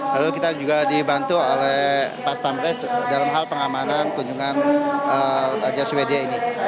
lalu kita juga dibantu oleh pas pampres dalam hal pengamanan kunjungan raja swedia ini